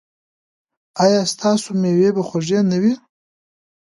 ایا ستاسو میوې به خوږې نه وي؟